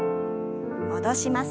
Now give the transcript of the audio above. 戻します。